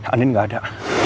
andi gak ada